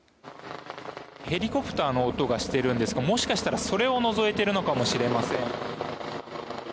ヘリコプターの音がしているんですが、もしかしたらそれをのぞいているのかもしれません。